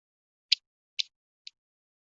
傅慰孤之母为抗日战争名人叶因绿。